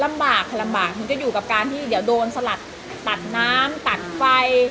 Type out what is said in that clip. ลำบากค่ะลำบากถึงจะอยู่กับการที่เดี๋ยวโดนสลัดตัดน้ำตัดไฟ